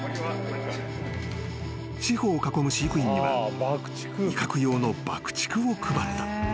［四方を囲む飼育員には威嚇用の爆竹を配った］